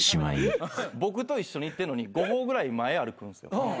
僕と一緒に行ってんのに５歩ぐらい前歩くんすよ。